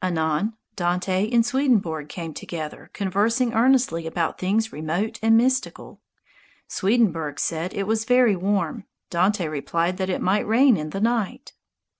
Anon Dante and Swedenborg came together conversing earnestly about things remote and mystical. Swedenborg said it was very warm. Dante replied that it might rain in the night.